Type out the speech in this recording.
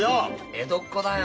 江戸っ子だよ。